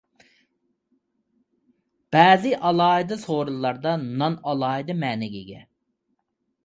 بەزى ئالاھىدە سورۇنلاردا نان ئالاھىدە مەنىگە ئىگە.